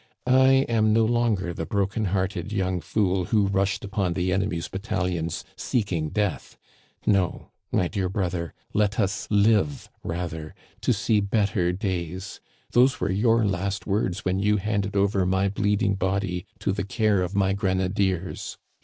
I am no longer the broken hearted young fool who rushed upon the enemy's battalions seeking death. No, my dear brother, let us live rather to see better days. Those were your last words when you handed over my bleeding body to the care of my grenadiers.